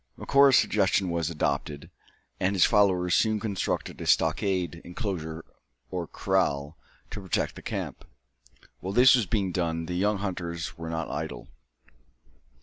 Macora's suggestion was adopted; and his followers soon constructed a stockade enclosure or kraal, to protect the camp. While this was being done the young hunters were not idle.